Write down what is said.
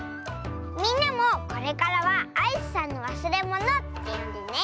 みんなもこれからは「アイスさんのわすれもの」ってよんでね！